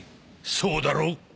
そうだろう？